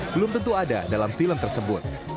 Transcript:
belum tentu ada dalam film tersebut